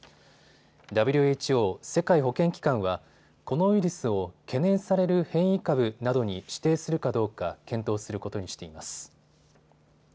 ＷＨＯ・世界保健機関はこのウイルスを懸念される変異株などに指定するかどうか検討することにしています。